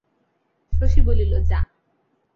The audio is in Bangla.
শশী বলিল, যা।